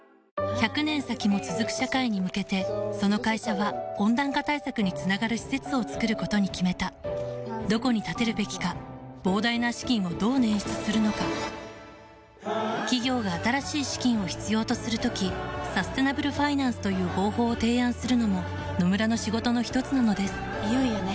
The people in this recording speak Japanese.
１００年先も続く社会に向けてその会社は温暖化対策につながる施設を作ることに決めたどこに建てるべきか膨大な資金をどう捻出するのか企業が新しい資金を必要とする時サステナブルファイナンスという方法を提案するのも野村の仕事のひとつなのですいよいよね。